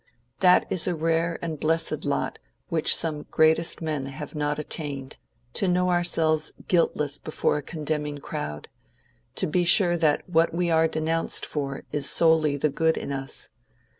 That is a rare and blessed lot which some greatest men have not attained, to know ourselves guiltless before a condemning crowd—to be sure that what we are denounced for is solely the good in us.